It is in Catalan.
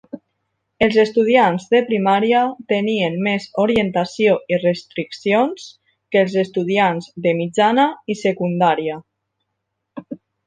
Els estudiants de primària tenien més orientació i restriccions que els estudiants de mitjana i secundària.